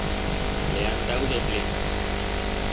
Le han dau de plen.